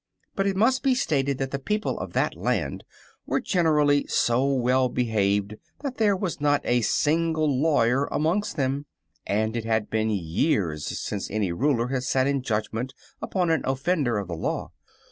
But it must be stated that the people of that Land were generally so well behaved that there was not a single lawyer amongst them, and it had been years since any Ruler had sat in judgment upon an offender of the law.